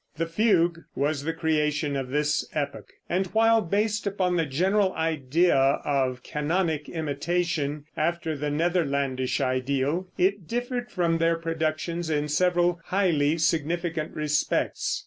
The fugue was the creation of this epoch, and while based upon the general idea of canonic imitation, after the Netherlandish ideal, it differed from their productions in several highly significant respects.